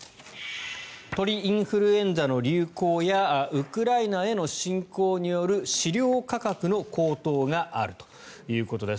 鳥インフルエンザの流行やウクライナへの侵攻による飼料価格の高騰があるということです。